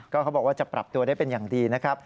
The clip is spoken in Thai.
เขาบอกว่าจะปรับตัวได้เป็นอย่างดีนะครับ